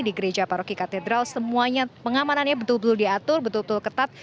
di gereja paroki katedral semuanya pengamanannya betul betul diatur betul betul ketat